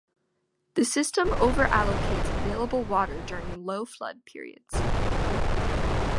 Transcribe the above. This system over-allocates available water during low flow periods.